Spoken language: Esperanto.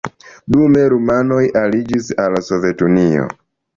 Dume rumanoj aliĝis al Sovetunio.